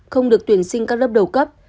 không được tuyển sinh các lớp đầu cấp